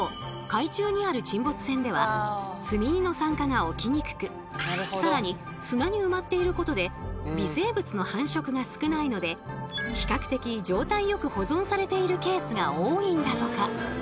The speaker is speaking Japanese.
海中にある沈没船では積荷の酸化が起きにくく更に砂に埋まっていることで微生物の繁殖が少ないので比較的状態よく保存されているケースが多いんだとか。